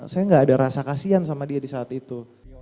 saya nggak ada rasa kasihan sama dia di saat itu